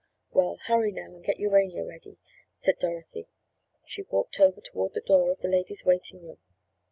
"Well, hurry now and get Urania ready," said Dorothy. She walked over toward the door of the ladies' waiting room.